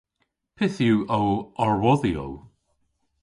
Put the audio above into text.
Pyth yw ow rwodhyow?